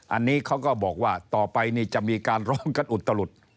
อันนี้เขาก็บอกว่าต่อไปนี่จะมีการร้องกันอุตลุด